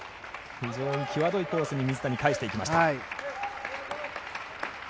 非常に際どいコースに水谷が返していきました。